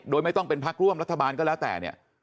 โดยไม่ต้องเป็นพักร่วมรัฐบาลก็แล้วแต่เนี่ย